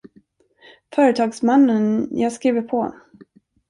Företagsmannen, jag skriver på.